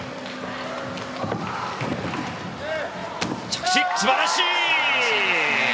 着地、素晴らしい！